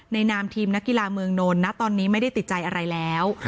นามทีมนักกีฬาเมืองนนท์นะตอนนี้ไม่ได้ติดใจอะไรแล้ว